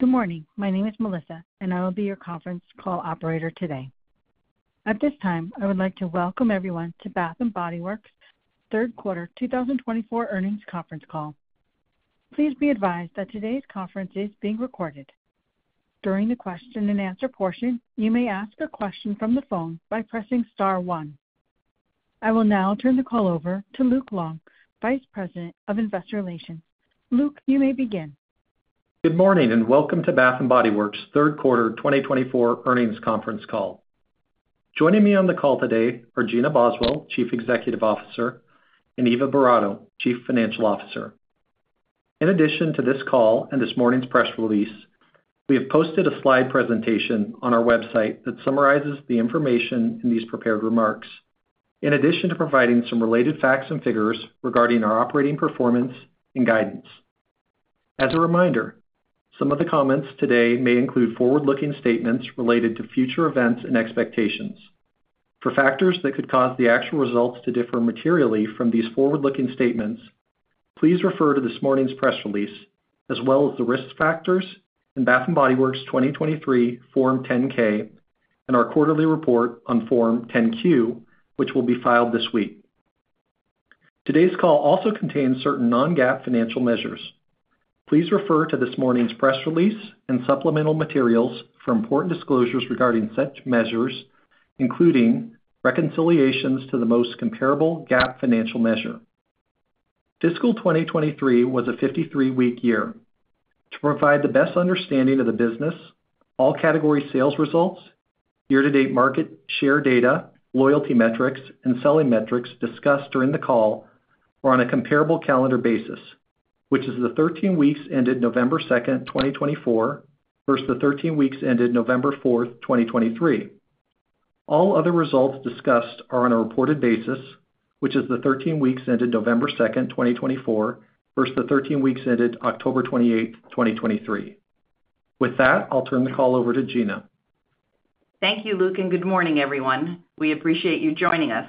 Good morning. My name is Melissa, and I will be your conference call operator today. At this time, I would like to welcome everyone to Bath & Body Works' third quarter 2024 earnings conference call. Please be advised that today's conference is being recorded. During the question-and-answer portion, you may ask a question from the phone by pressing star one. I will now turn the call over to Luke Long, Vice President of Investor Relations. Luke, you may begin. Good morning and welcome to Bath & Body Works' third quarter 2024 earnings conference call. Joining me on the call today are Gina Boswell, Chief Executive Officer, and Eva Boratto, Chief Financial Officer. In addition to this call and this morning's press release, we have posted a slide presentation on our website that summarizes the information in these prepared remarks, in addition to providing some related facts and figures regarding our operating performance and guidance. As a reminder, some of the comments today may include forward-looking statements related to future events and expectations. For factors that could cause the actual results to differ materially from these forward-looking statements, please refer to this morning's press release, as well as the risk factors in Bath & Body Works' 2023 Form 10-K and our quarterly report on Form 10-Q, which will be filed this week. Today's call also contains certain non-GAAP financial measures. Please refer to this morning's press release and supplemental materials for important disclosures regarding such measures, including reconciliations to the most comparable GAAP financial measure. Fiscal 2023 was a 53-week year. To provide the best understanding of the business, all category sales results, year-to-date market share data, loyalty metrics, and selling metrics discussed during the call are on a comparable calendar basis, which is the 13 weeks ended November 2nd, 2024, versus the 13 weeks ended November 4th, 2023. All other results discussed are on a reported basis, which is the 13 weeks ended November 2nd, 2024, versus the 13 weeks ended October 28th, 2023. With that, I'll turn the call over to Gina. Thank you, Luke, and good morning, everyone. We appreciate you joining us.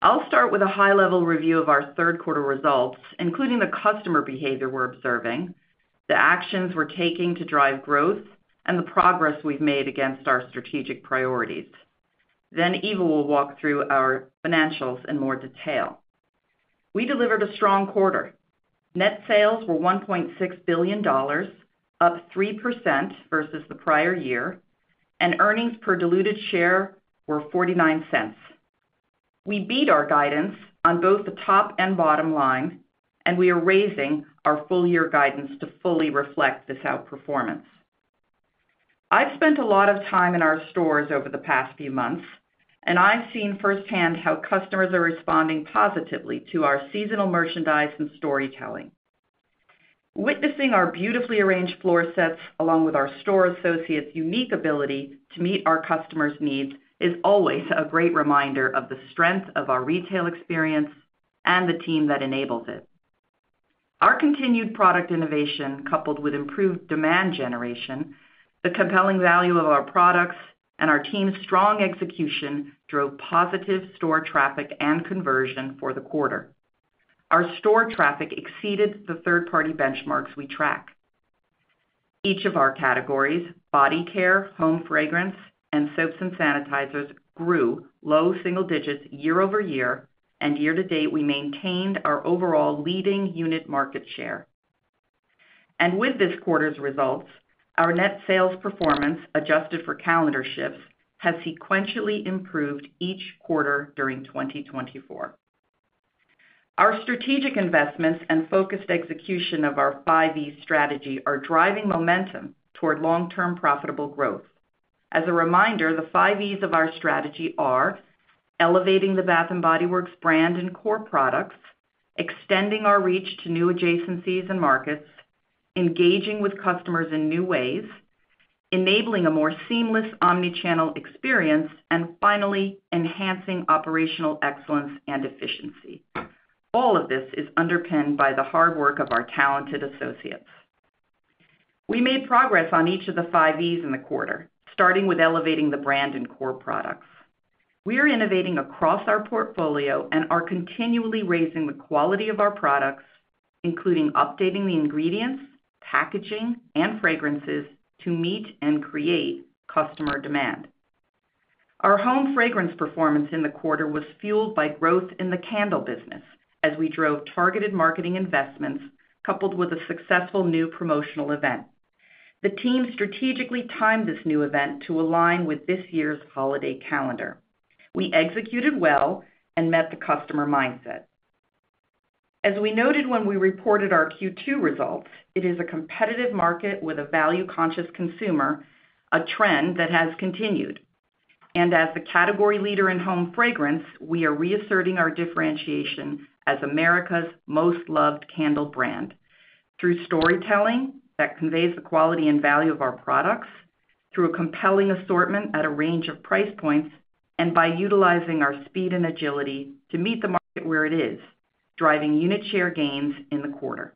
I'll start with a high-level review of our third quarter results, including the customer behavior we're observing, the actions we're taking to drive growth, and the progress we've made against our strategic priorities. Then Eva will walk through our financials in more detail. We delivered a strong quarter. Net sales were $1.6 billion, up 3% versus the prior year, and earnings per diluted share were $0.49. We beat our guidance on both the top and bottom line, and we are raising our full-year guidance to fully reflect this outperformance. I've spent a lot of time in our stores over the past few months, and I've seen firsthand how customers are responding positively to our seasonal merchandise and storytelling. Witnessing our beautifully arranged floor sets, along with our store associates' unique ability to meet our customers' needs, is always a great reminder of the strength of our retail experience and the team that enables it. Our continued product innovation, coupled with improved demand generation, the compelling value of our products, and our team's strong execution drove positive store traffic and conversion for the quarter. Our store traffic exceeded the third-party benchmarks we track. Each of our categories, body care, home fragrance, and soaps and sanitizers, grew low single digits year-over-year, and year to date we maintained our overall leading unit market share, and with this quarter's results, our net sales performance, adjusted for calendar shifts, has sequentially improved each quarter during 2024. Our strategic investments and focused execution of our 5E Strategy are driving momentum toward long-term profitable growth. As a reminder, the 5Es of our strategy are: elevating the Bath & Body Works brand and core products, extending our reach to new adjacencies and markets, engaging with customers in new ways, enabling a more seamless omnichannel experience, and finally, enhancing operational excellence and efficiency. All of this is underpinned by the hard work of our talented associates. We made progress on each of the 5Es in the quarter, starting with elevating the brand and core products. We are innovating across our portfolio and are continually raising the quality of our products, including updating the ingredients, packaging, and fragrances to meet and create customer demand. Our home fragrance performance in the quarter was fueled by growth in the candle business as we drove targeted marketing investments coupled with a successful new promotional event. The team strategically timed this new event to align with this year's holiday calendar. We executed well and met the customer mindset. As we noted when we reported our Q2 results, it is a competitive market with a value-conscious consumer, a trend that has continued. And as the category leader in home fragrance, we are reasserting our differentiation as America's most loved candle brand through storytelling that conveys the quality and value of our products, through a compelling assortment at a range of price points, and by utilizing our speed and agility to meet the market where it is, driving unit share gains in the quarter.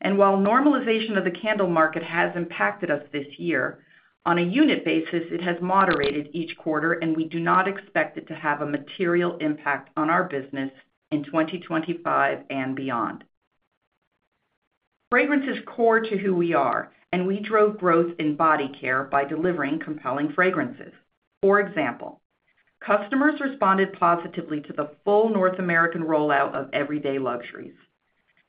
And while normalization of the candle market has impacted us this year, on a unit basis, it has moderated each quarter, and we do not expect it to have a material impact on our business in 2025 and beyond. Fragrance is core to who we are, and we drove growth in body care by delivering compelling fragrances. For example, customers responded positively to the full North American rollout of Everyday Luxuries.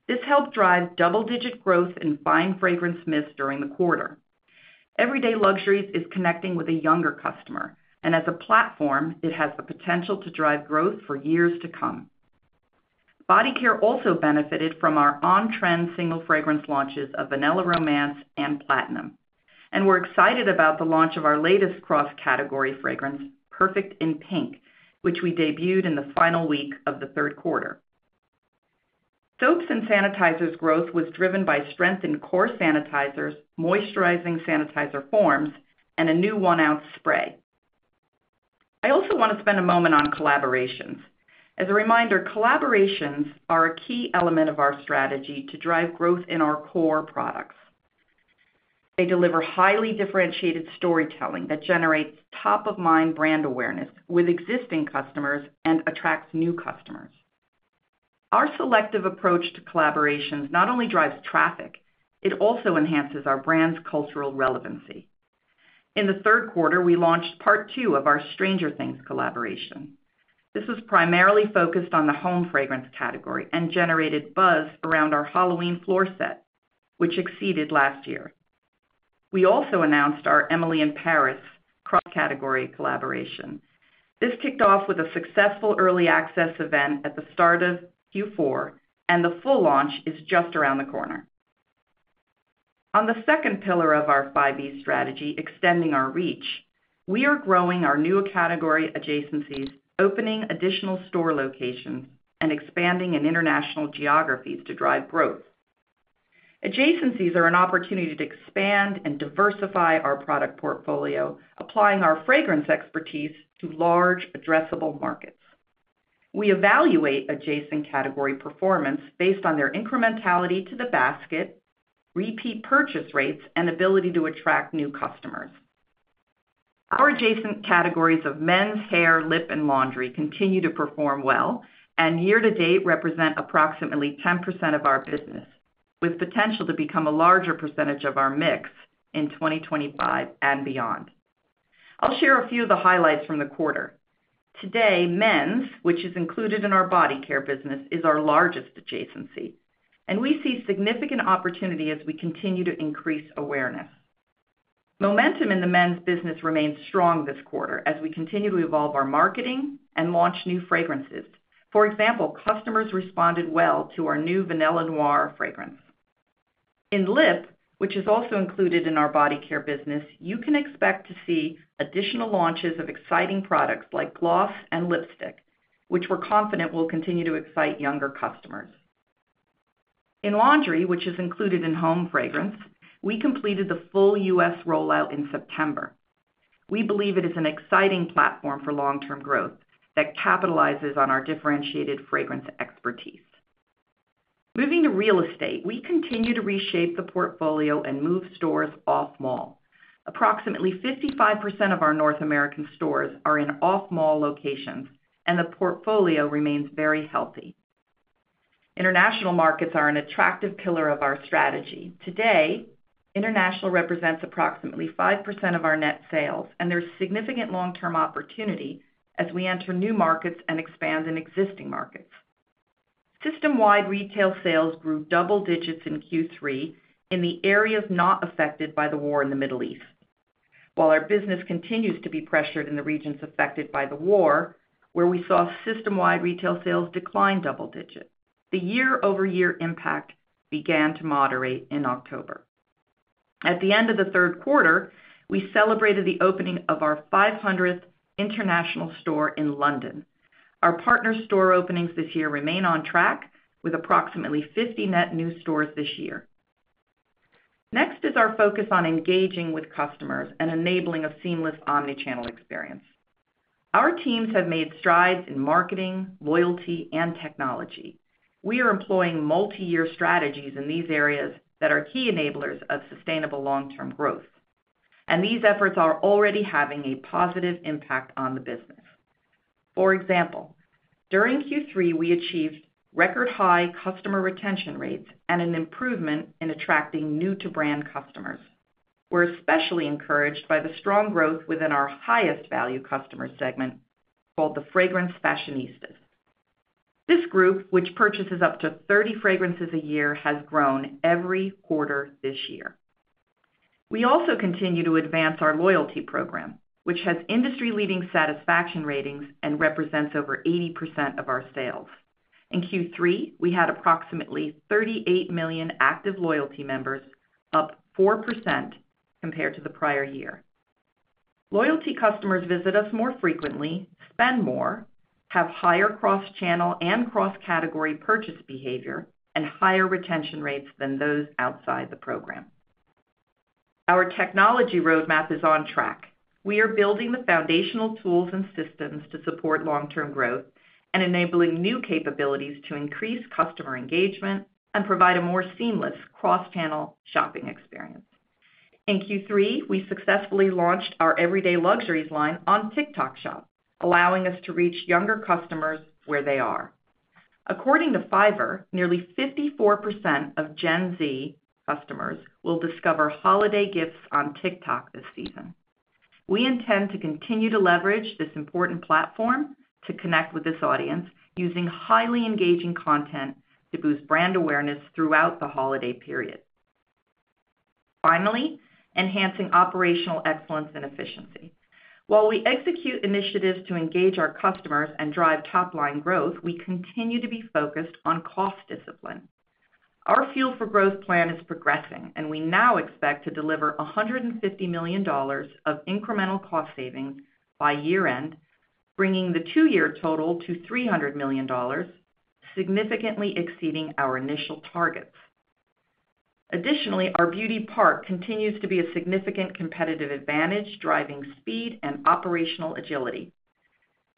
This helped drive double-digit growth in fine fragrance mists during the quarter. Everyday Luxuries is connecting with a younger customer, and as a platform, it has the potential to drive growth for years to come. Body care also benefited from our on-trend single fragrance launches of Vanilla Romance and Platinum, and we're excited about the launch of our latest cross-category fragrance, Perfect in Pink, which we debuted in the final week of the third quarter. Soaps and sanitizers growth was driven by strength in core sanitizers, moisturizing sanitizer forms, and a new one-ounce spray. I also want to spend a moment on collaborations. As a reminder, collaborations are a key element of our strategy to drive growth in our core products. They deliver highly differentiated storytelling that generates top-of-mind brand awareness with existing customers and attracts new customers. Our selective approach to collaborations not only drives traffic, it also enhances our brand's cultural relevancy. In the third quarter, we launched part two of our Stranger Things collaboration. This was primarily focused on the home fragrance category and generated buzz around our Halloween floor set, which exceeded last year. We also announced our Emily in Paris cross-category collaboration. This kicked off with a successful early access event at the start of Q4, and the full launch is just around the corner. On the second pillar of our 5E strategy, extending our reach, we are growing our new category adjacencies, opening additional store locations, and expanding in international geographies to drive growth. Adjacencies are an opportunity to expand and diversify our product portfolio, applying our fragrance expertise to large, addressable markets. We evaluate adjacent category performance based on their incrementality to the basket, repeat purchase rates, and ability to attract new customers. Our adjacent categories of men's, hair, lip, and laundry continue to perform well and year to date represent approximately 10% of our business, with potential to become a larger percentage of our mix in 2025 and beyond. I'll share a few of the highlights from the quarter. Today, men's, which is included in our body care business, is our largest adjacency, and we see significant opportunity as we continue to increase awareness. Momentum in the men's business remained strong this quarter as we continue to evolve our marketing and launch new fragrances. For example, customers responded well to our new Vanilla Noir fragrance. In lip, which is also included in our body care business, you can expect to see additional launches of exciting products like gloss and lipstick, which we're confident will continue to excite younger customers. In laundry, which is included in home fragrance, we completed the full U.S. rollout in September. We believe it is an exciting platform for long-term growth that capitalizes on our differentiated fragrance expertise. Moving to real estate, we continue to reshape the portfolio and move stores off-mall. Approximately 55% of our North American stores are in off-mall locations, and the portfolio remains very healthy. International markets are an attractive pillar of our strategy. Today, international represents approximately 5% of our net sales, and there's significant long-term opportunity as we enter new markets and expand in existing markets. System-wide retail sales grew double digits in Q3 in the areas not affected by the war in the Middle East. While our business continues to be pressured in the regions affected by the war, where we saw system-wide retail sales decline double digits, the year-over-year impact began to moderate in October. At the end of the third quarter, we celebrated the opening of our 500th international store in London. Our partner store openings this year remain on track with approximately 50 net new stores this year. Next is our focus on engaging with customers and enabling a seamless omnichannel experience. Our teams have made strides in marketing, loyalty, and technology. We are employing multi-year strategies in these areas that are key enablers of sustainable long-term growth, and these efforts are already having a positive impact on the business. For example, during Q3, we achieved record-high customer retention rates and an improvement in attracting new-to-brand customers. We're especially encouraged by the strong growth within our highest-value customer segment called the Fragrance Fashionistas. This group, which purchases up to 30 fragrances a year, has grown every quarter this year. We also continue to advance our loyalty program, which has industry-leading satisfaction ratings and represents over 80% of our sales. In Q3, we had approximately 38 million active loyalty members, up 4% compared to the prior year. Loyalty customers visit us more frequently, spend more, have higher cross-channel and cross-category purchase behavior, and higher retention rates than those outside the program. Our technology roadmap is on track. We are building the foundational tools and systems to support long-term growth and enabling new capabilities to increase customer engagement and provide a more seamless cross-channel shopping experience. In Q3, we successfully launched our Everyday Luxuries line on TikTok Shop, allowing us to reach younger customers where they are. According to Fiverr, nearly 54% of Gen Z customers will discover holiday gifts on TikTok this season. We intend to continue to leverage this important platform to connect with this audience using highly engaging content to boost brand awareness throughout the holiday period. Finally, enhancing operational excellence and efficiency. While we execute initiatives to engage our customers and drive top-line growth, we continue to be focused on cost discipline. Our Fuel for Growth plan is progressing, and we now expect to deliver $150 million of incremental cost savings by year-end, bringing the two-year total to $300 million, significantly exceeding our initial targets. Additionally, our Beauty Park continues to be a significant competitive advantage, driving speed and operational agility.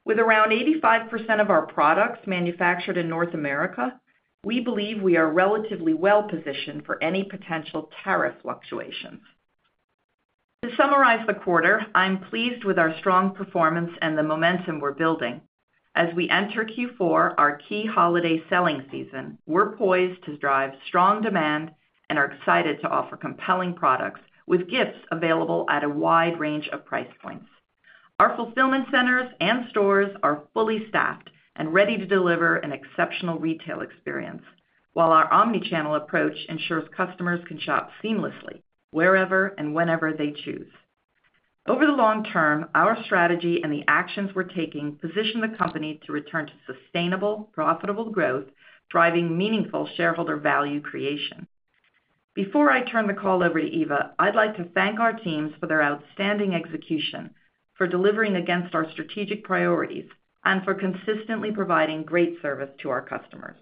With around 85% of our products manufactured in North America, we believe we are relatively well-positioned for any potential tariff fluctuations. To summarize the quarter, I'm pleased with our strong performance and the momentum we're building. As we enter Q4, our key holiday selling season, we're poised to drive strong demand and are excited to offer compelling products with gifts available at a wide range of price points. Our fulfillment centers and stores are fully staffed and ready to deliver an exceptional retail experience, while our omnichannel approach ensures customers can shop seamlessly wherever and whenever they choose. Over the long term, our strategy and the actions we're taking position the company to return to sustainable, profitable growth, driving meaningful shareholder value creation. Before I turn the call over to Eva, I'd like to thank our teams for their outstanding execution, for delivering against our strategic priorities, and for consistently providing great service to our customers.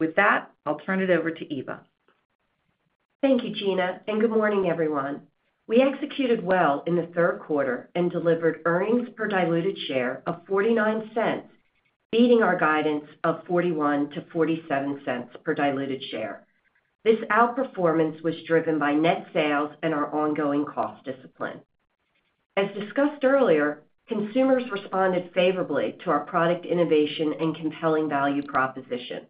With that, I'll turn it over to Eva. Thank you, Gina, and good morning, everyone. We executed well in the third quarter and delivered earnings per diluted share of $0.49, beating our guidance of $0.41-$0.47 per diluted share. This outperformance was driven by net sales and our ongoing cost discipline. As discussed earlier, consumers responded favorably to our product innovation and compelling value proposition.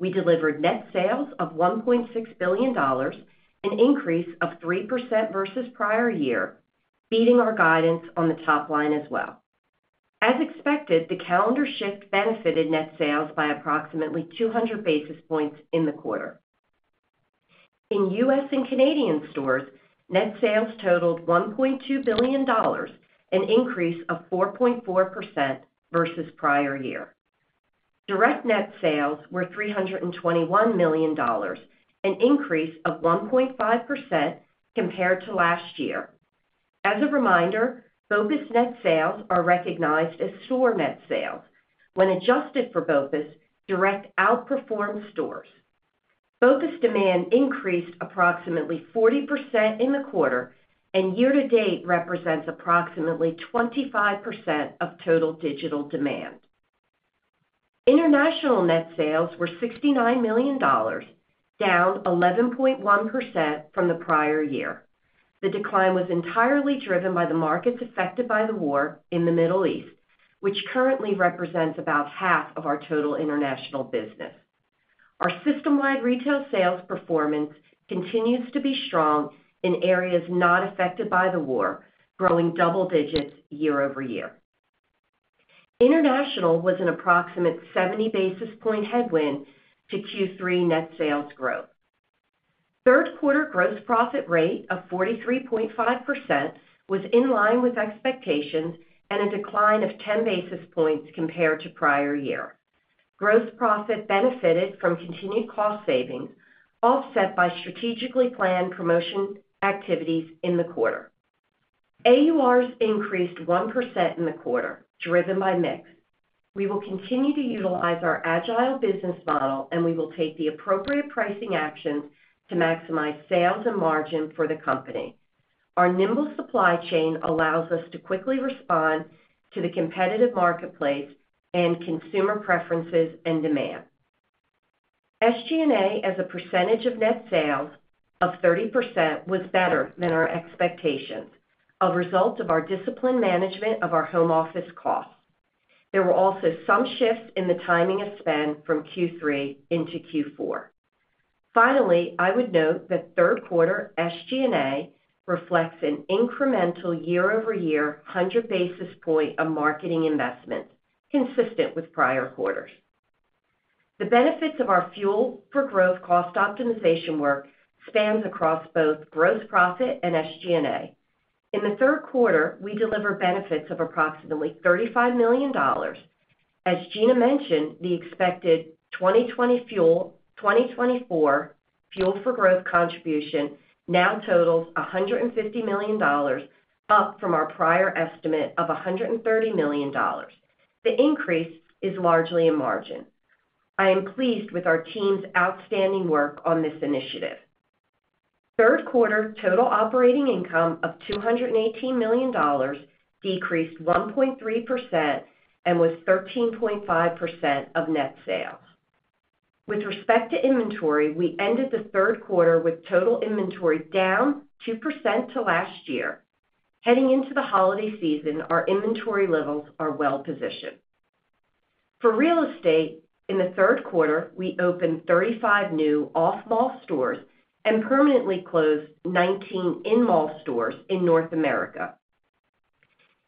We delivered net sales of $1.6 billion, an increase of 3% versus prior year, beating our guidance on the top line as well. As expected, the calendar shift benefited net sales by approximately 200 basis points in the quarter. In U.S. and Canadian stores, net sales totaled $1.2 billion, an increase of 4.4% versus prior year. Direct net sales were $321 million, an increase of 1.5% compared to last year. As a reminder, BOPUS net sales are recognized as store net sales. When adjusted for BOPUS, direct outperforms stores. BOPUS demand increased approximately 40% in the quarter and year-to-date represents approximately 25% of total digital demand. International net sales were $69 million, down 11.1% from the prior year. The decline was entirely driven by the markets affected by the war in the Middle East, which currently represents about half of our total international business. Our system-wide retail sales performance continues to be strong in areas not affected by the war, growing double digits year-over-year. International was an approximate 70 basis point headwind to Q3 net sales growth. Third quarter gross profit rate of 43.5% was in line with expectations and a decline of 10 basis points compared to prior year. Gross profit benefited from continued cost savings, offset by strategically planned promotion activities in the quarter. AURs increased 1% in the quarter, driven by mix. We will continue to utilize our agile business model, and we will take the appropriate pricing actions to maximize sales and margin for the company. Our nimble supply chain allows us to quickly respond to the competitive marketplace and consumer preferences and demand. SG&A as a percentage of net sales of 30% was better than our expectations, a result of our disciplined management of our home office costs. There were also some shifts in the timing of spend from Q3 into Q4. Finally, I would note that third quarter SG&A reflects an incremental year-over-year 100 basis points of marketing investment, consistent with prior quarters. The benefits of our Fuel for Growth cost optimization work spans across both gross profit and SG&A. In the third quarter, we deliver benefits of approximately $35 million. As Gina mentioned, the expected 2024 Fuel for Growth contribution now totals $150 million, up from our prior estimate of $130 million. The increase is largely in margin. I am pleased with our team's outstanding work on this initiative. Third quarter total operating income of $218 million decreased 1.3% and was 13.5% of net sales. With respect to inventory, we ended the third quarter with total inventory down 2% to last year. Heading into the holiday season, our inventory levels are well-positioned. For real estate, in the third quarter, we opened 35 new off-mall stores and permanently closed 19 in-mall stores in North America.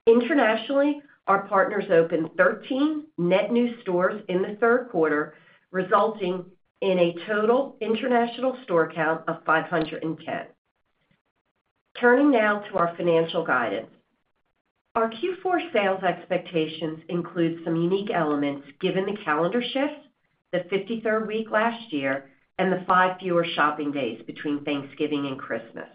Internationally, our partners opened 13 net new stores in the third quarter, resulting in a total international store count of 510. Turning now to our financial guidance. Our Q4 sales expectations include some unique elements given the calendar shift, the 53rd week last year, and the five fewer shopping days between Thanksgiving and Christmas.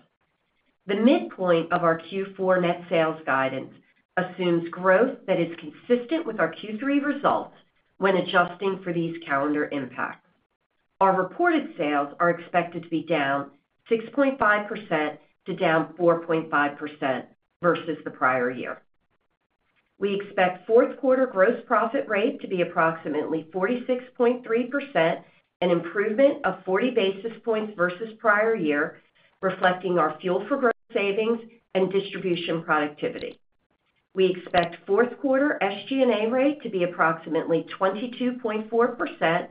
The midpoint of our Q4 net sales guidance assumes growth that is consistent with our Q3 results when adjusting for these calendar impacts. Our reported sales are expected to be down 6.5% to down 4.5% versus the prior year. We expect fourth quarter gross profit rate to be approximately 46.3%, an improvement of 40 basis points versus prior year, reflecting our Fuel for Growth savings and distribution productivity. We expect fourth quarter SG&A rate to be approximately 22.4%,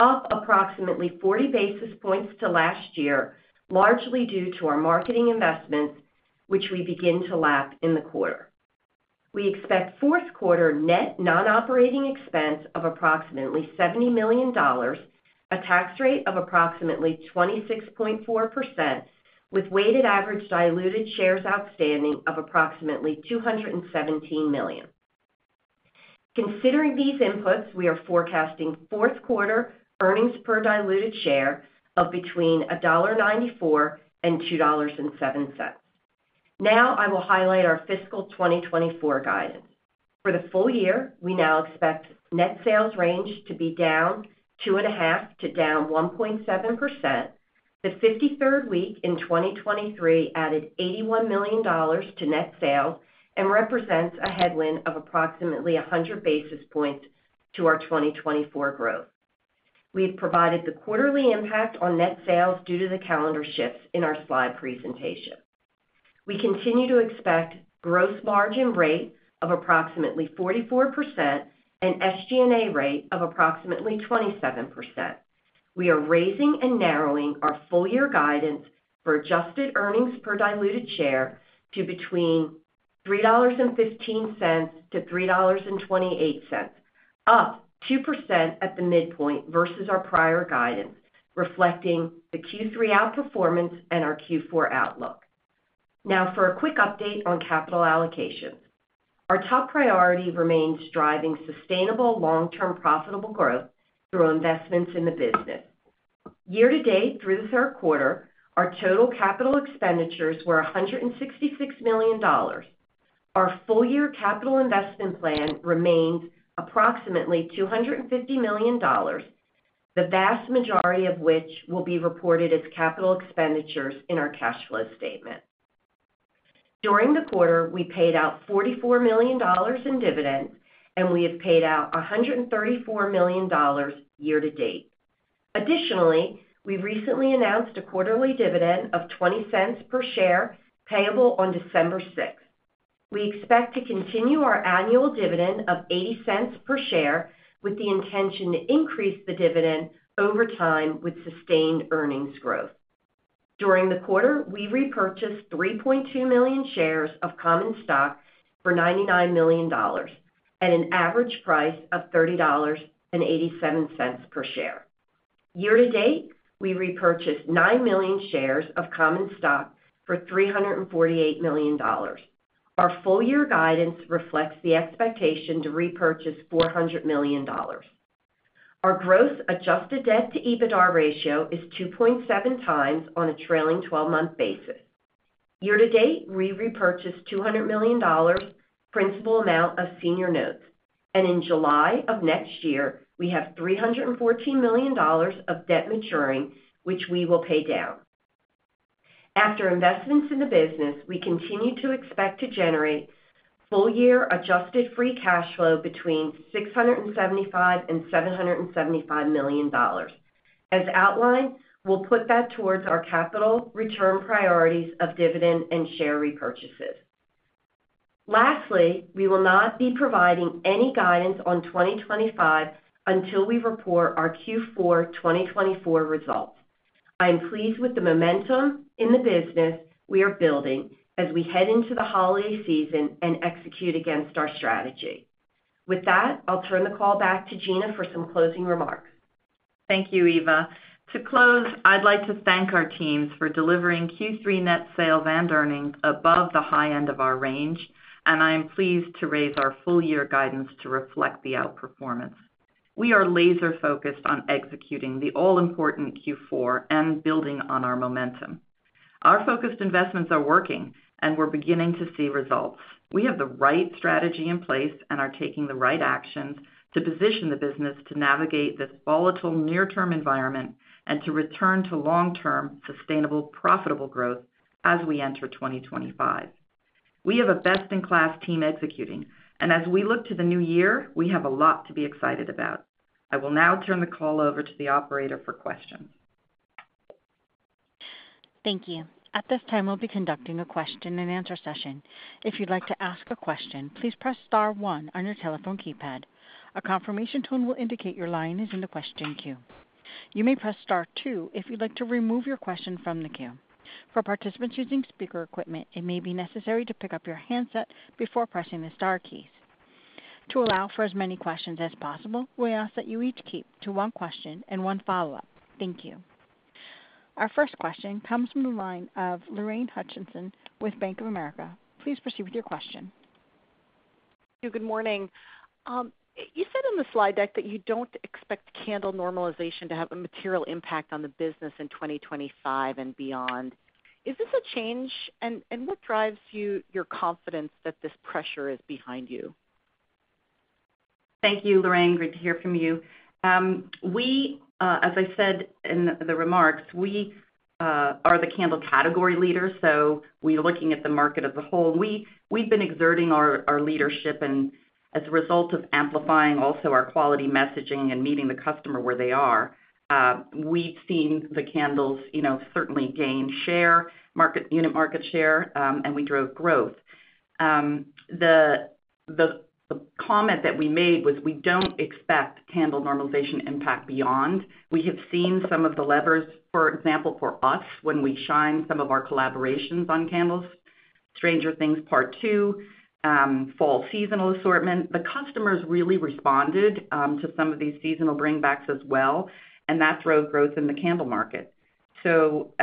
up approximately 40 basis points to last year, largely due to our marketing investments, which we begin to lap in the quarter. We expect fourth quarter net non-operating expense of approximately $70 million, a tax rate of approximately 26.4%, with weighted average diluted shares outstanding of approximately 217 million. Considering these inputs, we are forecasting fourth quarter earnings per diluted share of between $1.94 and $2.07. Now, I will highlight our fiscal 2024 guidance. For the full year, we now expect net sales range to be down 2.5% to down 1.7%. The 53rd week in 2023 added $81 million to net sales and represents a headwind of approximately 100 basis points to our 2024 growth. We have provided the quarterly impact on net sales due to the calendar shifts in our slide presentation. We continue to expect gross margin rate of approximately 44% and SG&A rate of approximately 27%. We are raising and narrowing our full-year guidance for adjusted earnings per diluted share to between $3.15-$3.28, up 2% at the midpoint versus our prior guidance, reflecting the Q3 outperformance and our Q4 outlook. Now, for a quick update on capital allocations. Our top priority remains driving sustainable long-term profitable growth through investments in the business. Year-to-date, through the third quarter, our total capital expenditures were $166 million. Our full-year capital investment plan remains approximately $250 million, the vast majority of which will be reported as capital expenditures in our cash flow statement. During the quarter, we paid out $44 million in dividends, and we have paid out $134 million year-to-date. Additionally, we've recently announced a quarterly dividend of $0.20 per share payable on December 6th. We expect to continue our annual dividend of $0.80 per share with the intention to increase the dividend over time with sustained earnings growth. During the quarter, we repurchased 3.2 million shares of Common Stock for $99 million at an average price of $30.87 per share. Year-to-date, we repurchased 9 million shares of Common Stock for $348 million. Our full-year guidance reflects the expectation to repurchase $400 million. Our gross adjusted debt to EBITDA ratio is 2.7 times on a trailing 12-month basis. Year-to-date, we repurchased $200 million principal amount of senior notes, and in July of next year, we have $314 million of debt maturing, which we will pay down. After investments in the business, we continue to expect to generate full-year Adjusted Free Cash Flow between $675 and $775 million. As outlined, we'll put that towards our capital return priorities of dividend and share repurchases. Lastly, we will not be providing any guidance on 2025 until we report our Q4 2024 results. I am pleased with the momentum in the business we are building as we head into the holiday season and execute against our strategy. With that, I'll turn the call back to Gina for some closing remarks. Thank you, Eva. To close, I'd like to thank our teams for delivering Q3 net sales and earnings above the high end of our range, and I am pleased to raise our full-year guidance to reflect the outperformance. We are laser-focused on executing the all-important Q4 and building on our momentum. Our focused investments are working, and we're beginning to see results. We have the right strategy in place and are taking the right actions to position the business to navigate this volatile near-term environment and to return to long-term sustainable profitable growth as we enter 2025. We have a best-in-class team executing, and as we look to the new year, we have a lot to be excited about. I will now turn the call over to the operator for questions. Thank you. At this time, we'll be conducting a question-and-answer session. If you'd like to ask a question, please press star one on your telephone keypad. A confirmation tone will indicate your line is in the question queue. You may press star two if you'd like to remove your question from the queue. For participants using speaker equipment, it may be necessary to pick up your handset before pressing the Star keys. To allow for as many questions as possible, we ask that you each keep to one question and one follow-up. Thank you. Our first question comes from the line of Lorraine Hutchinson with Bank of America. Please proceed with your question. Thank you. Good morning. You said in the slide deck that you don't expect candle normalization to have a material impact on the business in 2025 and beyond. Is this a change, and what drives your confidence that this pressure is behind you? Thank you, Lorraine. Great to hear from you. As I said in the remarks, we are the candle category leader, so we're looking at the market as a whole. We've been exerting our leadership, and as a result of amplifying also our quality messaging and meeting the customer where they are, we've seen the candles certainly gain unit market share, and we drove growth. The comment that we made was, "We don't expect candle normalization impact beyond." We have seen some of the levers, for example, for us, when we shine some of our collaborations on candles, Stranger Things Part 2, fall seasonal assortment. The customers really responded to some of these seasonal bringbacks as well, and that drove growth in the candle market. So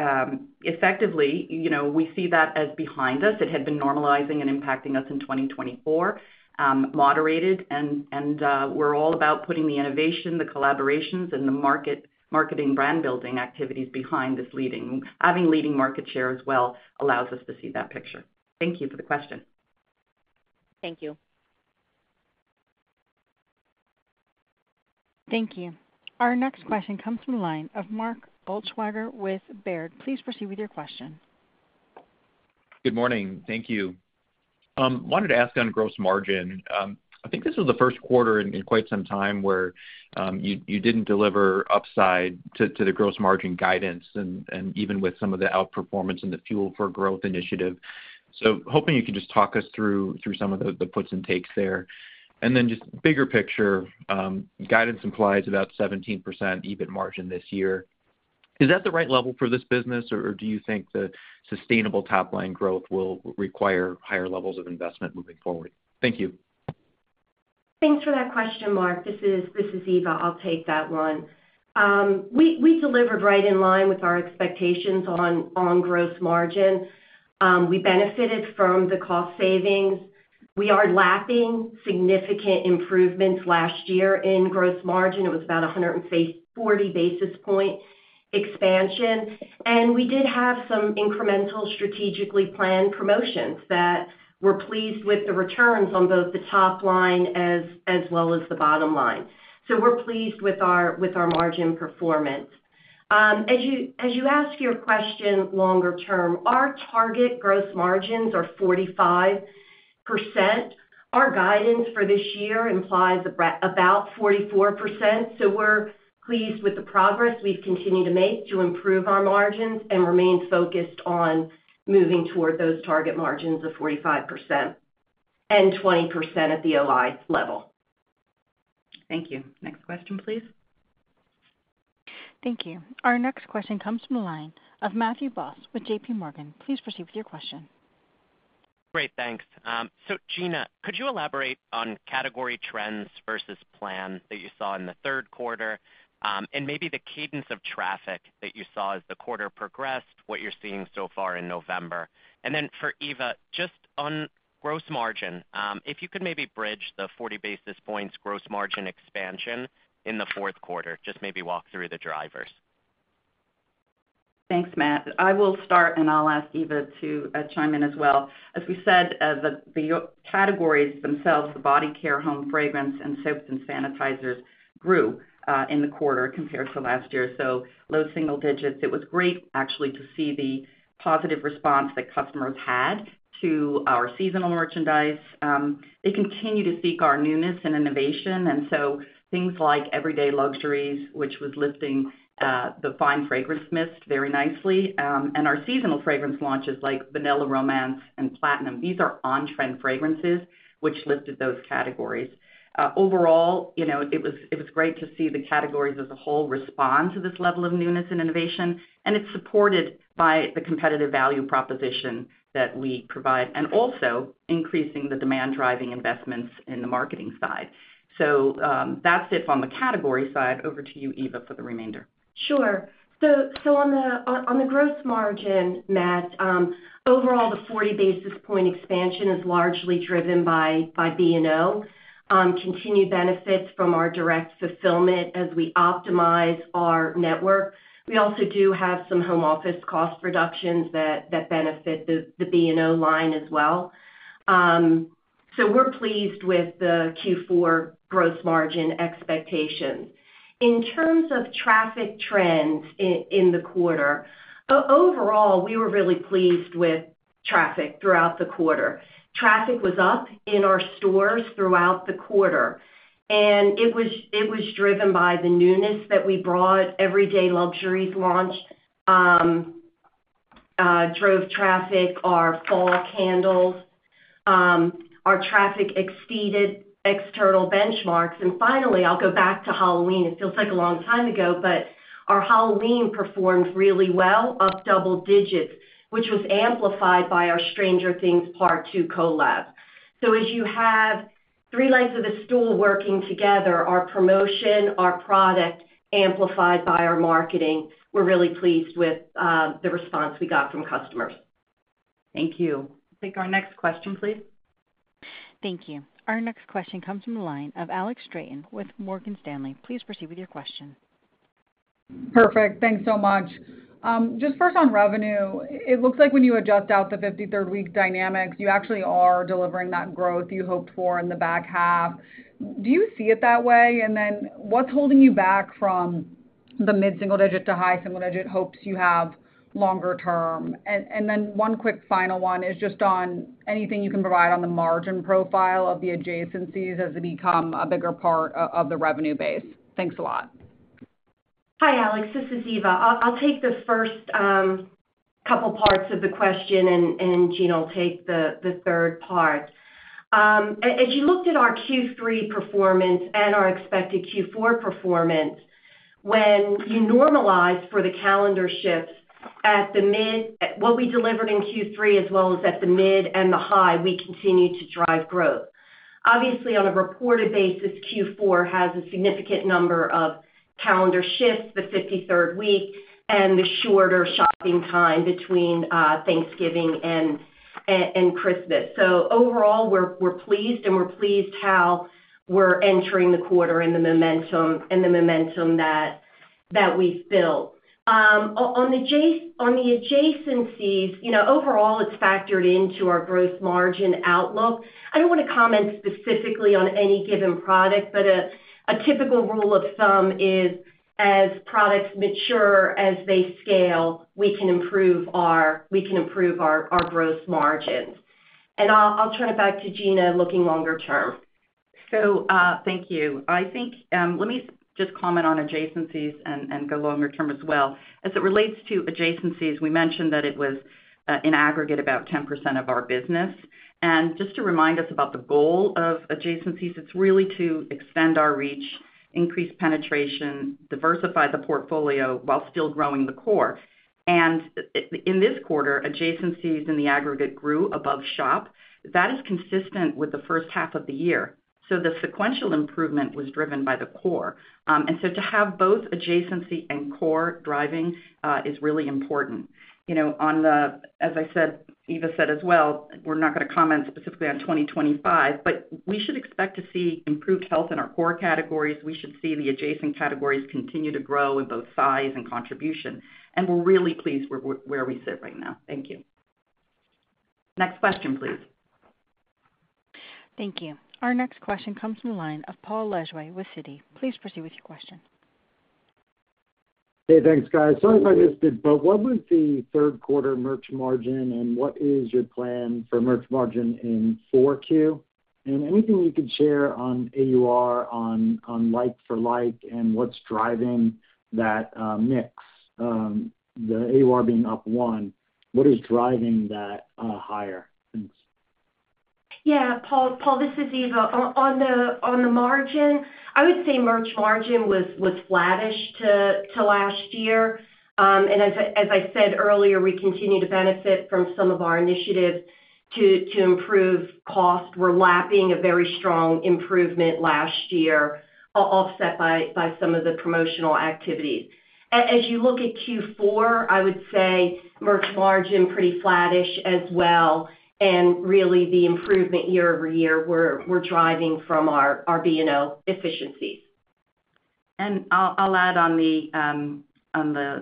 effectively, we see that as behind us. It had been normalizing and impacting us in 2024, moderated, and we're all about putting the innovation, the collaborations, and the marketing brand-building activities behind this leading. Having leading market share as well allows us to see that picture. Thank you for the question. Thank you. Thank you. Our next question comes from the line of Mark Altschwager with Baird. Please proceed with your question. Good morning. Thank you. I wanted to ask on gross margin. I think this was the first quarter in quite some time where you didn't deliver upside to the gross margin guidance, and even with some of the outperformance and the Fuel for Growth initiative. So, hoping you can just talk us through some of the puts and takes there. And then, just bigger picture, guidance implies about 17% EBIT margin this year. Is that the right level for this business, or do you think the sustainable top-line growth will require higher levels of investment moving forward? Thank you. Thanks for that question, Mark. This is Eva. I'll take that one. We delivered right in line with our expectations on gross margin. We benefited from the cost savings. We are lapping significant improvements last year in gross margin. It was about 140 basis points expansion. We did have some incremental strategically planned promotions that we're pleased with the returns on both the top line as well as the bottom line. We're pleased with our margin performance. As you ask your question longer term, our target gross margins are 45%. Our guidance for this year implies about 44%. We're pleased with the progress we've continued to make to improve our margins and remain focused on moving toward those target margins of 45% and 20% at the OI level. Thank you. Next question, please. Thank you. Our next question comes from the line of Matthew Boss with JPMorgan. Please proceed with your question. Great. Thanks. Gina, could you elaborate on category trends versus plan that you saw in the third quarter and maybe the cadence of traffic that you saw as the quarter progressed, what you're seeing so far in November? And then for Eva, just on gross margin, if you could maybe bridge the 40 basis points gross margin expansion in the fourth quarter, just maybe walk through the drivers. Thanks, Matt. I will start, and I'll ask Eva to chime in as well. As we said, the categories themselves, the body care, home fragrance, and soaps and sanitizers grew in the quarter compared to last year. So low single digits. It was great, actually, to see the positive response that customers had to our seasonal merchandise. They continue to seek our newness and innovation. And so things like Everyday Luxuries, which was lifting the fine fragrance mist very nicely, and our seasonal fragrance launches like Vanilla Romance and Platinum. These are on-trend fragrances, which lifted those categories. Overall, it was great to see the categories as a whole respond to this level of newness and innovation, and it's supported by the competitive value proposition that we provide and also increasing the demand-driving investments in the marketing side. So that's it on the category side. Over to you, Eva, for the remainder. Sure. So on the gross margin, Matt, overall, the 40 basis points expansion is largely driven by B&O, continued benefits from our direct fulfillment as we optimize our network. We also do have some home office cost reductions that benefit the B&O line as well. So we're pleased with the Q4 gross margin expectations. In terms of traffic trends in the quarter, overall, we were really pleased with traffic throughout the quarter. Traffic was up in our stores throughout the quarter, and it was driven by the newness that we brought. Everyday Luxuries launch drove traffic, our fall candles. Our traffic exceeded external benchmarks. And finally, I'll go back to Halloween. It feels like a long time ago, but our Halloween performed really well, up double digits, which was amplified by our Stranger Things Part 2 collab. So as you have three legs of the stool working together, our promotion, our product amplified by our marketing, we're really pleased with the response we got from customers. Thank you. Take our next question, please. Thank you. Our next question comes from the line of Alex Straton with Morgan Stanley. Please proceed with your question. Perfect. Thanks so much. Just first on revenue, it looks like when you adjust out the 53rd week dynamics, you actually are delivering that growth you hoped for in the back half. Do you see it that way? And then, what's holding you back from the mid-single digit to high single digit hopes you have longer term? And then, one quick final one is just on anything you can provide on the margin profile of the adjacencies as they become a bigger part of the revenue base. Thanks a lot. Hi, Alex. This is Eva. I'll take the first couple parts of the question, and Gina will take the third part. As you looked at our Q3 performance and our expected Q4 performance, when you normalize for the calendar shifts at the mid what we delivered in Q3 as well as at the mid and the high, we continue to drive growth. Obviously, on a reported basis, Q4 has a significant number of calendar shifts, the 53rd week, and the shorter shopping time between Thanksgiving and Christmas. So overall, we're pleased, and we're pleased how we're entering the quarter and the momentum that we've built. On the adjacencies, overall, it's factored into our gross margin outlook. I don't want to comment specifically on any given product, but a typical rule of thumb is as products mature as they scale, we can improve our gross margins. And I'll turn it back to Gina looking longer term. So thank you. I think let me just comment on adjacencies and go longer term as well. As it relates to adjacencies, we mentioned that it was in aggregate about 10% of our business. And just to remind us about the goal of adjacencies, it's really to extend our reach, increase penetration, diversify the portfolio while still growing the core. And in this quarter, adjacencies in the aggregate grew above shop. That is consistent with the first half of the year. So the sequential improvement was driven by the core. And so to have both adjacency and core driving is really important. As I said, Eva said as well, we're not going to comment specifically on 2025, but we should expect to see improved health in our core categories. We should see the adjacent categories continue to grow in both size and contribution. And we're really pleased where we sit right now. Thank you. Next question, please. Thank you. Our next question comes from the line of Paul Lejuez with Citi. Please proceed with your question. Hey, thanks, guys. Sorry if I missed it, but what was the third quarter merch margin, and what is your plan for merch margin in 4Q? And anything you could share on AUR, on like-for-like, and what's driving that mix? The AUR being up one, what is driving that higher? Thanks. Yeah. Paul, this is Eva. On the margin, I would say merch margin was flattish to last year. As I said earlier, we continue to benefit from some of our initiatives to improve cost. We're lapping a very strong improvement last year, offset by some of the promotional activities. As you look at Q4, I would say merch margin pretty flattish as well. Really, the improvement year-over-year, we're driving from our B&O efficiencies. I'll add on the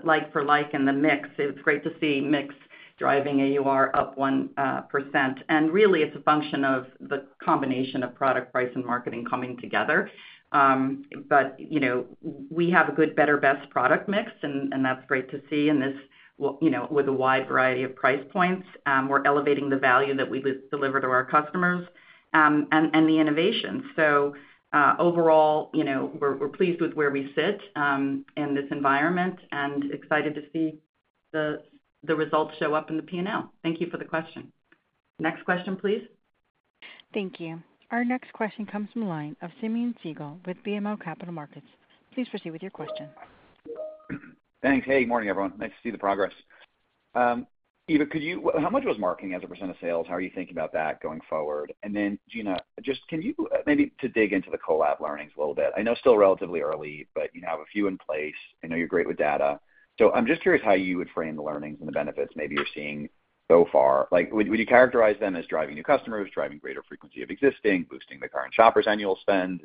like-for-like and the mix. It was great to see mix driving AUR up 1%. Really, it's a function of the combination of product price and marketing coming together. We have a good, better, best product mix, and that's great to see with a wide variety of price points. We're elevating the value that we deliver to our customers and the innovation. So overall, we're pleased with where we sit in this environment and excited to see the results show up in the P&L. Thank you for the question. Next question, please. Thank you. Our next question comes from the line of Simeon Siegel with BMO Capital Markets. Please proceed with your question. Thanks. Hey, good morning, everyone. Nice to see the progress. Eva, how much was marketing as a % of sales? How are you thinking about that going forward? And then, Gina, just can you maybe dig into the collab learnings a little bit? I know it's still relatively early, but you have a few in place. I know you're great with data. So I'm just curious how you would frame the learnings and the benefits maybe you're seeing so far. Would you characterize them as driving new customers, driving greater frequency of existing, boosting the current shoppers' annual spend?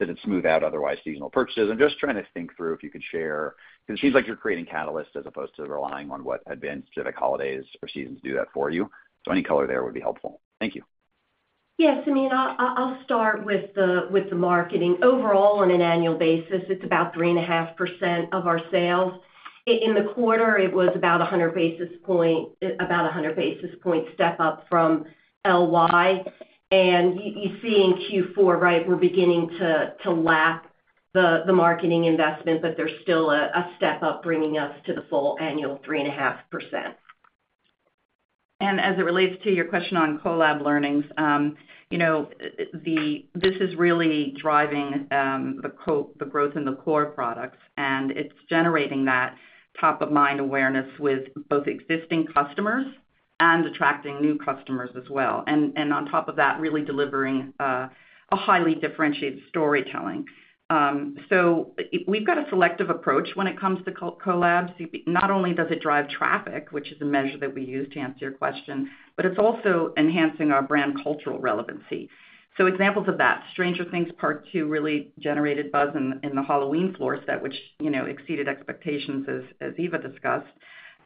Does it smooth out otherwise seasonal purchases? I'm just trying to think through if you could share. It seems like you're creating catalysts as opposed to relying on what had been specific holidays or seasons to do that for you. So any color there would be helpful. Thank you. Yeah. Simeon, I'll start with the marketing. Overall, on an annual basis, it's about 3.5% of our sales. In the quarter, it was about a 100 basis point step up from LY. And you see in Q4, right, we're beginning to lap the marketing investment, but there's still a step up bringing us to the full annual 3.5%. And as it relates to your question on collab learnings, this is really driving the growth in the core products, and it's generating that top-of-mind awareness with both existing customers and attracting new customers as well. And on top of that, really delivering a highly differentiated storytelling. So we've got a selective approach when it comes to collabs. Not only does it drive traffic, which is a measure that we use to answer your question, but it's also enhancing our brand cultural relevancy. So examples of that, Stranger Things Part 2 really generated buzz in the Halloween floor set, which exceeded expectations, as Eva discussed.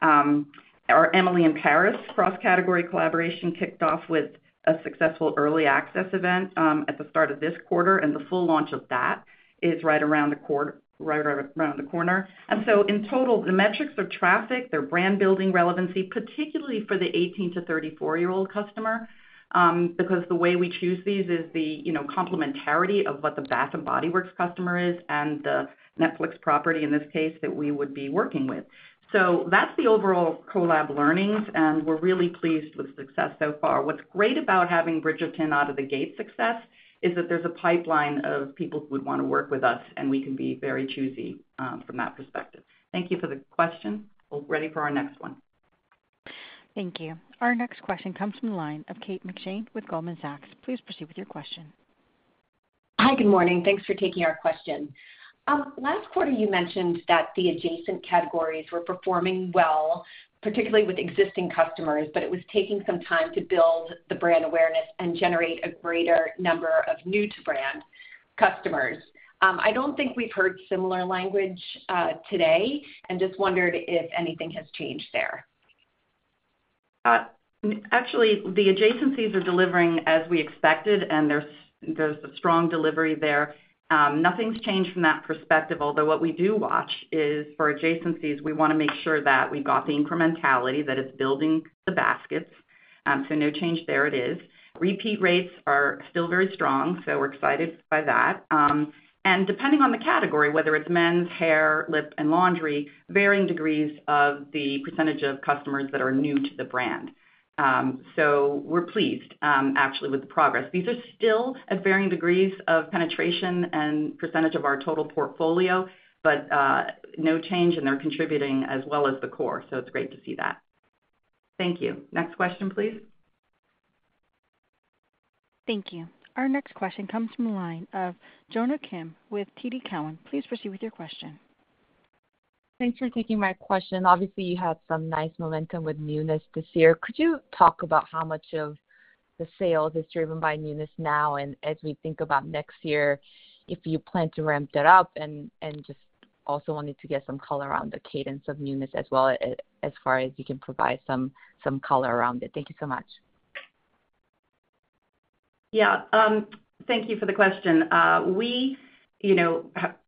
Our Emily in Paris cross-category collaboration kicked off with a successful early access event at the start of this quarter, and the full launch of that is right around the corner. And so in total, the metrics are traffic, their brand-building relevancy, particularly for the 18-34-year-old customer, because the way we choose these is the complementarity of what the Bath & Body Works customer is and the Netflix property in this case that we would be working with. So that's the overall collab learnings, and we're really pleased with success so far. What's great about having Bridgerton out of the gate success is that there's a pipeline of people who would want to work with us, and we can be very choosy from that perspective. Thank you for the question. We're ready for our next one. Thank you. Our next question comes from the line of Kate McShane with Goldman Sachs. Please proceed with your question. Hi, good morning. Thanks for taking our question. Last quarter, you mentioned that the adjacent categories were performing well, particularly with existing customers, but it was taking some time to build the brand awareness and generate a greater number of new-to-brand customers. I don't think we've heard similar language today and just wondered if anything has changed there. Actually, the adjacencies are delivering as we expected, and there's a strong delivery there. Nothing's changed from that perspective, although what we do watch is for adjacencies, we want to make sure that we've got the incrementality, that it's building the baskets. So no change there. It is. Repeat rates are still very strong, so we're excited by that, and depending on the category, whether it's men's, hair, lip, and laundry, varying degrees of the percentage of customers that are new to the brand, so we're pleased, actually, with the progress. These are still at varying degrees of penetration and percentage of our total portfolio, but no change, and they're contributing as well as the core. So it's great to see that. Thank you. Next question, please. Thank you. Our next question comes from the line of Jonna Kim with TD Cowen. Please proceed with your question. Thanks for taking my question. Obviously, you had some nice momentum with newness this year. Could you talk about how much of the sales is driven by newness now, and as we think about next year, if you plan to ramp that up and just also wanted to get some color around the cadence of newness as well, as far as you can provide some color around it? Thank you so much. Yeah. Thank you for the question. We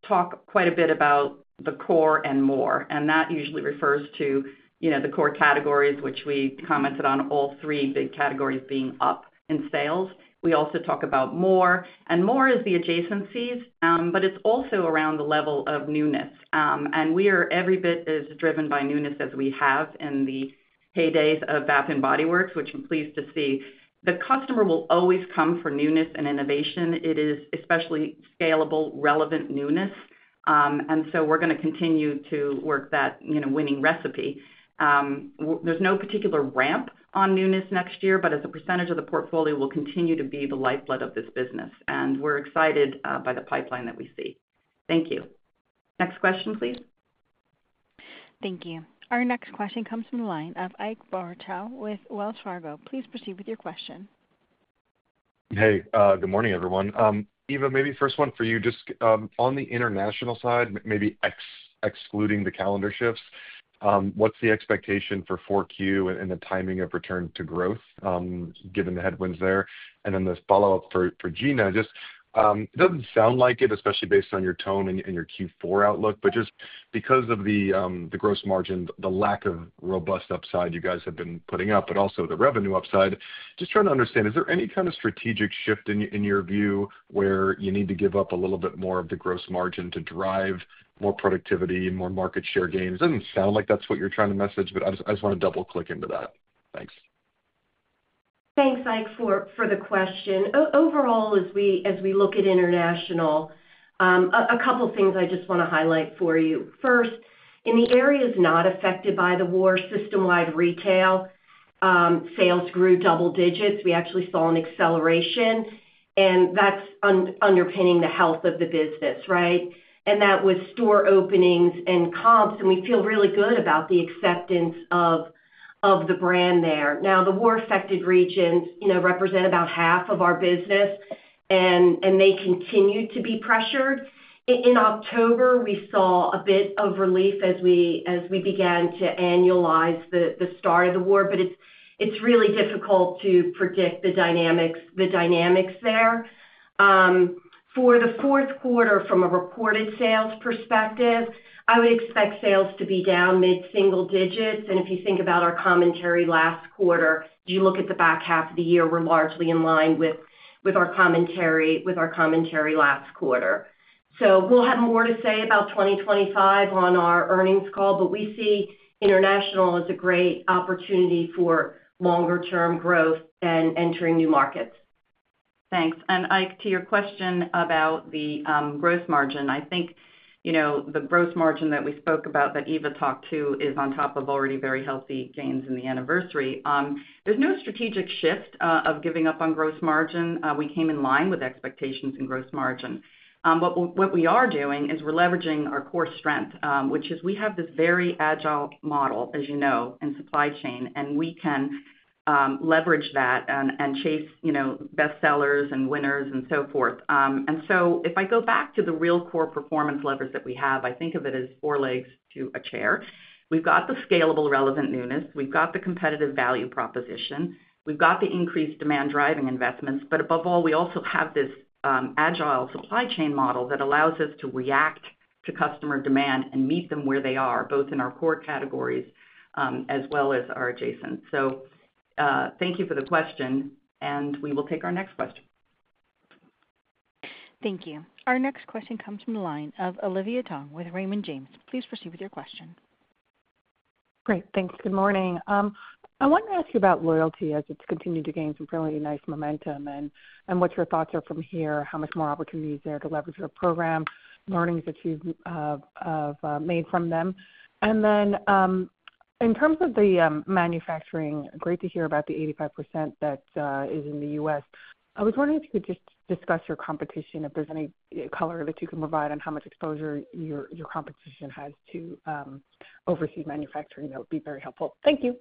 talk quite a bit about the core and more, and that usually refers to the core categories, which we commented on, all three big categories being up in sales. We also talk about more, and more is the adjacencies, but it's also around the level of newness, and every bit is driven by newness as we have in the heydays of Bath & Body Works, which I'm pleased to see. The customer will always come for newness and innovation. It is especially scalable, relevant newness. And so we're going to continue to work that winning recipe. There's no particular ramp on newness next year, but as a percentage of the portfolio, we'll continue to be the lifeblood of this business. And we're excited by the pipeline that we see. Thank you. Next question, please. Thank you. Our next question comes from the line of Ike Boruchow with Wells Fargo. Please proceed with your question. Hey, good morning, everyone. Eva, maybe first one for you. Just on the international side, maybe excluding the calendar shifts, what's the expectation for 4Q and the timing of return to growth given the headwinds there? And then the follow-up for Gina, just it doesn't sound like it, especially based on your tone and your Q4 outlook, but just because of the gross margin, the lack of robust upside you guys have been putting up, but also the revenue upside. Just trying to understand, is there any kind of strategic shift in your view where you need to give up a little bit more of the gross margin to drive more productivity and more market share gains? It doesn't sound like that's what you're trying to message, but I just want to double-click into that. Thanks. Thanks, Ike, for the question. Overall, as we look at international, a couple of things I just want to highlight for you. First, in the areas not affected by the war, system-wide retail sales grew double digits. We actually saw an acceleration, and that's underpinning the health of the business, right? And that was store openings and comps, and we feel really good about the acceptance of the brand there. Now, the war-affected regions represent about half of our business, and they continue to be pressured. In October, we saw a bit of relief as we began to annualize the start of the war, but it's really difficult to predict the dynamics there. For the fourth quarter, from a reported sales perspective, I would expect sales to be down mid-single digits. And if you think about our commentary last quarter, if you look at the back half of the year, we're largely in line with our commentary last quarter. So we'll have more to say about 2025 on our earnings call, but we see international as a great opportunity for longer-term growth and entering new markets. Thanks. And Ike, to your question about the gross margin, I think the gross margin that we spoke about that Eva talked to is on top of already very healthy gains in the year. There's no strategic shift of giving up on gross margin. We came in line with expectations in gross margin. What we are doing is we're leveraging our core strength, which is we have this very agile model, as you know, in supply chain, and we can leverage that and chase best sellers and winners and so forth, and so if I go back to the real core performance levers that we have, I think of it as four legs to a chair. We've got the scalable relevant newness. We've got the competitive value proposition. We've got the increased demand-driving investments, but above all, we also have this agile supply chain model that allows us to react to customer demand and meet them where they are, both in our core categories as well as our adjacents, so thank you for the question, and we will take our next question. Thank you. Our next question comes from the line of Olivia Tong with Raymond James. Please proceed with your question. Great. Thanks. Good morning. I wanted to ask you about loyalty as it's continued to gain some fairly nice momentum and what your thoughts are from here, how much more opportunity is there to leverage your program, learnings that you've made from them, and then in terms of the manufacturing, great to hear about the 85% that is in the U.S. I was wondering if you could just discuss your competition, if there's any color that you can provide on how much exposure your competition has to overseas manufacturing. That would be very helpful. Thank you.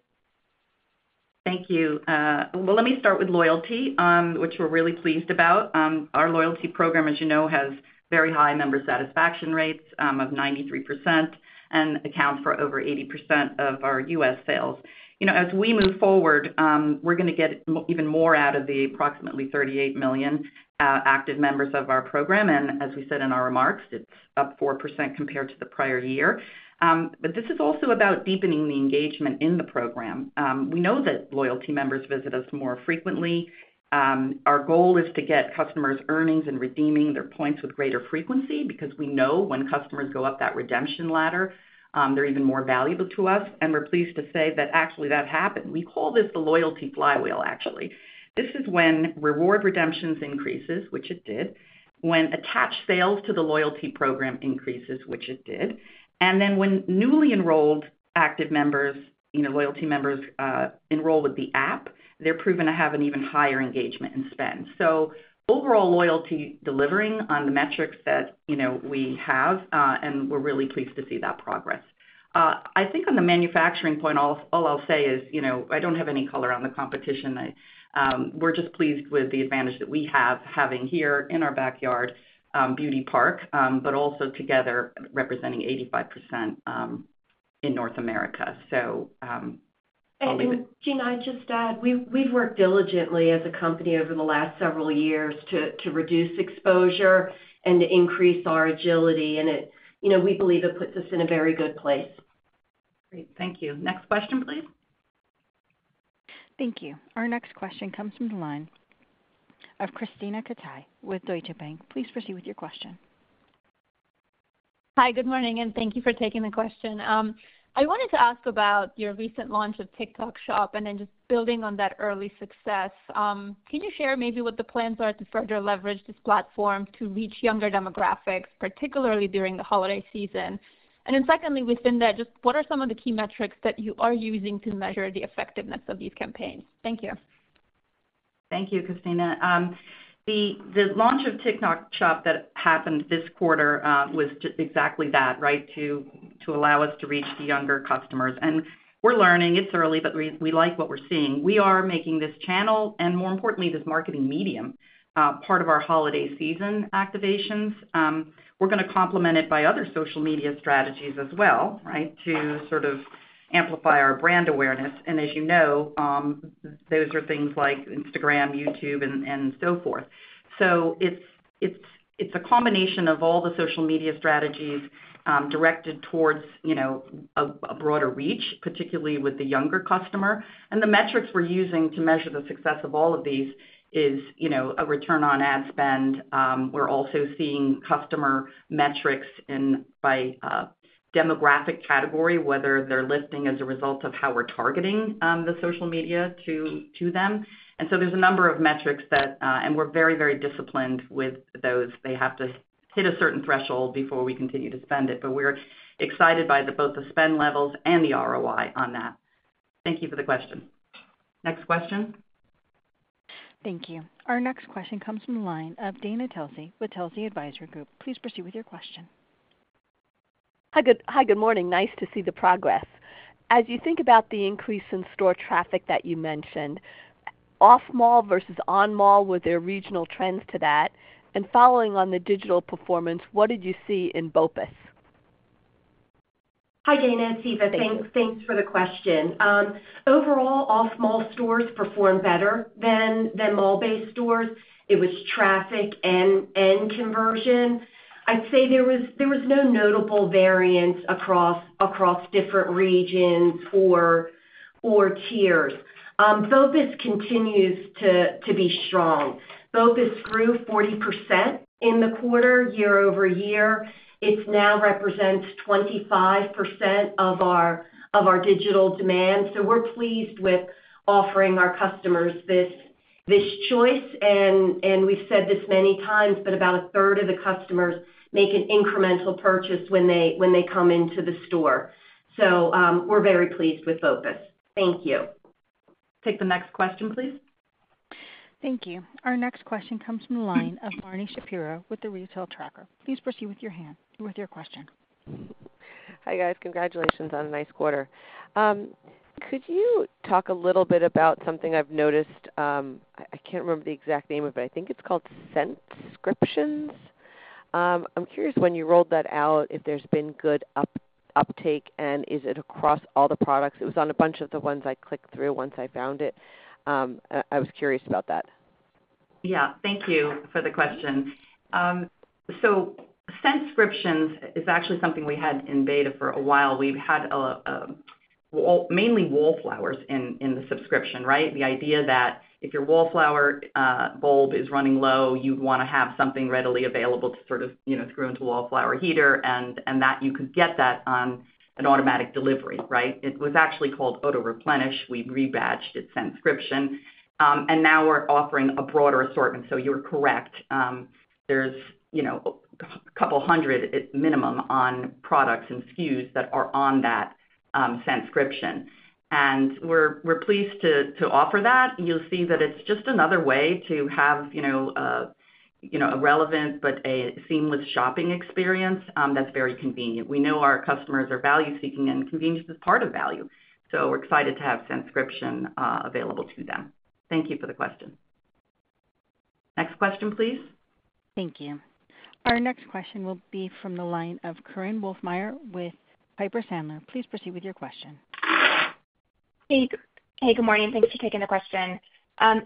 Thank you. Well, let me start with loyalty, which we're really pleased about. Our loyalty program, as you know, has very high member satisfaction rates of 93% and accounts for over 80% of our U.S. sales. As we move forward, we're going to get even more out of the approximately 38 million active members of our program. And as we said in our remarks, it's up 4% compared to the prior year. But this is also about deepening the engagement in the program. We know that loyalty members visit us more frequently. Our goal is to get customers' earnings and redeeming their points with greater frequency because we know when customers go up that redemption ladder, they're even more valuable to us. And we're pleased to say that actually that happened. We call this the loyalty flywheel, actually. This is when reward redemptions increases, which it did, when attached sales to the loyalty program increases, which it did. And then when newly enrolled active members, loyalty members enroll with the app, they're proven to have an even higher engagement and spend. So overall loyalty delivering on the metrics that we have, and we're really pleased to see that progress. I think on the manufacturing point, all I'll say is I don't have any color on the competition. We're just pleased with the advantage that we have having here in our backyard Beauty Park, but also together representing 85% in North America. So I'll leave it. Gina, I'd just add we've worked diligently as a company over the last several years to reduce exposure and to increase our agility. And we believe it puts us in a very good place. Great. Thank you. Next question, please. Thank you. Our next question comes from the line of Krisztina Katai with Deutsche Bank. Please proceed with your question. Hi, good morning, and thank you for taking the question. I wanted to ask about your recent launch of TikTok Shop and then just building on that early success. Can you share maybe what the plans are to further leverage this platform to reach younger demographics, particularly during the holiday season? And then secondly, within that, just what are some of the key metrics that you are using to measure the effectiveness of these campaigns? Thank you. Thank you, Krisztina. The launch of TikTok Shop that happened this quarter was exactly that, right, to allow us to reach the younger customers. And we're learning. It's early, but we like what we're seeing. We are making this channel and, more importantly, this marketing medium part of our holiday season activations. We're going to complement it by other social media strategies as well, right, to sort of amplify our brand awareness. And as you know, those are things like Instagram, YouTube, and so forth. So it's a combination of all the social media strategies directed towards a broader reach, particularly with the younger customer. And the metrics we're using to measure the success of all of these is a return on ad spend. We're also seeing customer metrics by demographic category, whether they're lifting as a result of how we're targeting the social media to them. And so there's a number of metrics that, and we're very, very disciplined with those. They have to hit a certain threshold before we continue to spend it. But we're excited by both the spend levels and the ROI on that. Thank you for the question. Next question. Thank you. Our next question comes from the line of Dana Telsey with Telsey Advisory Group. Please proceed with your question. Hi, good morning. Nice to see the progress. As you think about the increase in store traffic that you mentioned, off-mall versus on-mall, were there regional trends to that? And following on the digital performance, what did you see in BOPUS? Hi, Dana. It's Eva. Thanks for the question. Overall, off-mall stores performed better than mall-based stores. It was traffic and conversion. I'd say there was no notable variance across different regions or tiers. BOPUS continues to be strong. BOPUS grew 40% in the quarter, year-over-year. It now represents 25% of our digital demand. So we're pleased with offering our customers this choice. And we've said this many times, but about a third of the customers make an incremental purchase when they come into the store. So we're very pleased with BOPUS. Thank you. Take the next question, please. Thank you. Our next question comes from the line of Marni Shapiro with The Retail Tracker. Please proceed with your question. Hi, guys. Congratulations on a nice quarter. Could you talk a little bit about something I've noticed? I can't remember the exact name of it, but I think it's called Scent-Scription. I'm curious when you rolled that out if there's been good uptake, and is it across all the products? It was on a bunch of the ones I clicked through once I found it. I was curious about that. Yeah. Thank you for the question. So Scent-Scription is actually something we had in beta for a while. We've had mainly Wallflowers in the subscription, right? The idea that if your Wallflower bulb is running low, you'd want to have something readily available to sort of throw into a Wallflower warmer and that you could get that on an automatic delivery, right? It was actually called Auto-Replenish. We rebranded it Scent-Scription, and now we're offering a broader assortment, so you're correct. There's a couple hundred minimum on products and SKUs that are on that Scent-Scription, and we're pleased to offer that. You'll see that it's just another way to have a relevant but a seamless shopping experience that's very convenient. We know our customers are value-seeking, and convenience is part of value, so we're excited to have Scent-Scription available to them. Thank you for the question. Next question, please. Thank you. Our next question will be from the line of Korinne Wolfmeyer with Piper Sandler. Please proceed with your question. Hey, good morning. Thanks for taking the question.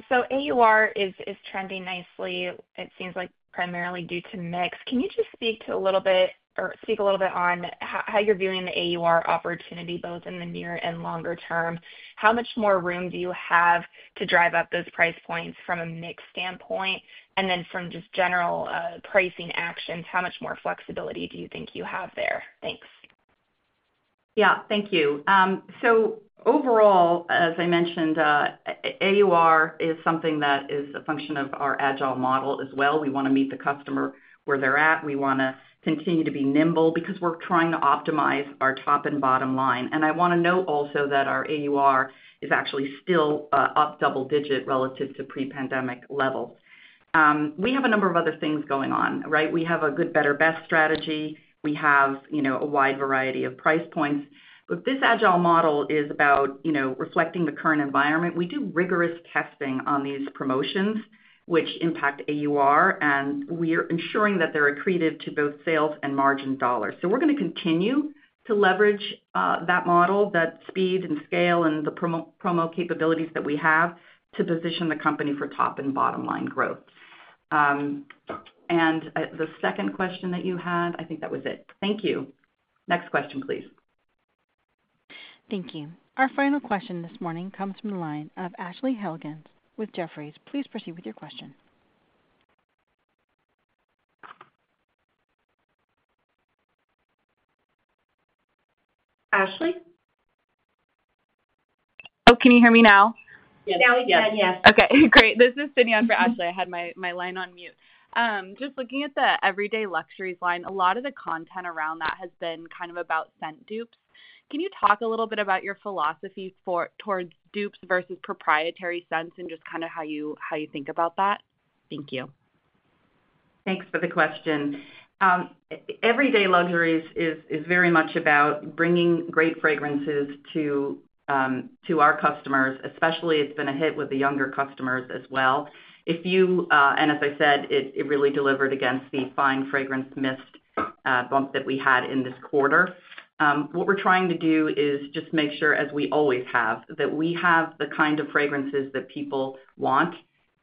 So AUR is trending nicely. It seems like primarily due to mix. Can you just speak a little bit on how you're viewing the AUR opportunity both in the near and longer term? How much more room do you have to drive up those price points from a mix standpoint? And then from just general pricing actions, how much more flexibility do you think you have there? Thanks. Yeah. Thank you. So overall, as I mentioned, AUR is something that is a function of our agile model as well. We want to meet the customer where they're at. We want to continue to be nimble because we're trying to optimize our top and bottom line. And I want to note also that our AUR is actually still up double digit relative to pre-pandemic levels. We have a number of other things going on, right? We have a good, better, best strategy. We have a wide variety of price points, but this agile model is about reflecting the current environment. We do rigorous testing on these promotions, which impact AUR, and we are ensuring that they're accretive to both sales and margin dollars, so we're going to continue to leverage that model, that speed and scale and the promo capabilities that we have to position the company for top and bottom line growth, and the second question that you had, I think that was it. Thank you. Next question, please. Thank you. Our final question this morning comes from the line of Ashley Helgans with Jefferies. Please proceed with your question. Ashley? Oh, can you hear me now? Yes. Now we can. Yes. Okay. Great. This is Sydney on for Ashley. I had my line on mute. Just looking at the Everyday Luxuries line, a lot of the content around that has been kind of about scent dupes. Can you talk a little bit about your philosophy towards dupes versus proprietary scents and just kind of how you think about that? Thank you. Thanks for the question. Everyday Luxuries is very much about bringing great fragrances to our customers. Especially, it's been a hit with the younger customers as well, and as I said, it really delivered against the fine fragrance mist bump that we had in this quarter. What we're trying to do is just make sure, as we always have, that we have the kind of fragrances that people want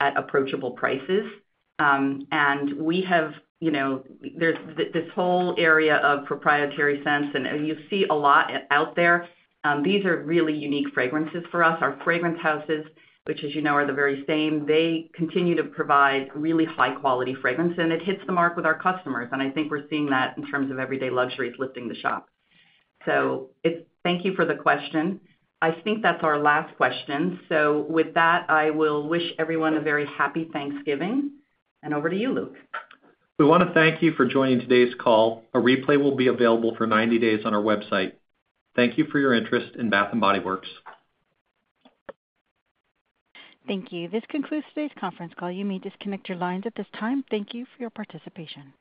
at approachable prices, and we have this whole area of proprietary scents, and you see a lot out there. These are really unique fragrances for us. Our fragrance houses, which, as you know, are the very same, they continue to provide really high-quality fragrance, and it hits the mark with our customers. And I think we're seeing that in terms of Everyday Luxuries lifting the shop. So thank you for the question. I think that's our last question. So with that, I will wish everyone a very happy Thanksgiving. And over to you, Luke. We want to thank you for joining today's call. A replay will be available for 90 days on our website. Thank you for your interest in Bath & Body Works. Thank you. This concludes today's conference call. You may disconnect your lines at this time. Thank you for your participation.